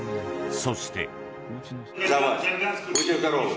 そして。